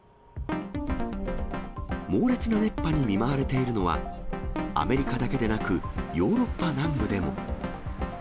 猛烈な熱波に見舞われているのは、アメリカだけでなく、ヨーロッパ南部でも。